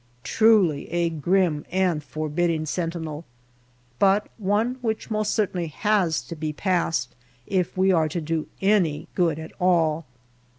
Truly a grim and forbidding sentinel, but one which most certainly has to be passed if we are to do any good at all.